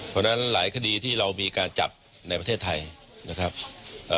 เพราะฉะนั้นหลายคดีที่เรามีการจับในประเทศไทยนะครับเอ่อ